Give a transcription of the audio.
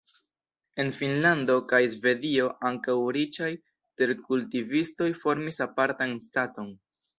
En Finnlando kaj Svedio ankaŭ riĉaj terkultivistoj formis apartan "Staton".